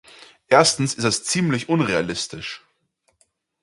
Erstens ist es ziemlich unrealistisch.